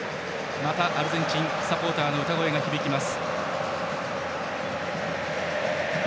またアルゼンチンサポーターの歌声が響きます。